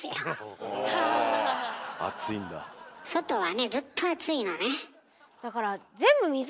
外はねずっと暑いのね。